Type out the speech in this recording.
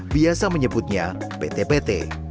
biasa menyebutnya pt pt